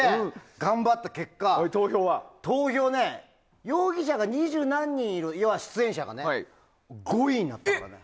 頑張った結果、投票は容疑者が二十何人いて５位になったからね。